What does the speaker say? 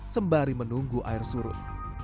sembari menunggu air surut